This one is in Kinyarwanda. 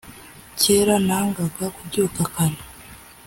Kera nangaga kubyuka kare